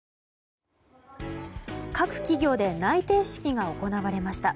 各企業で内定式が行われました。